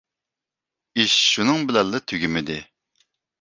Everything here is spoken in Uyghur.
ئىش شۇنىڭ بىلەنلا تۈگىمىدى.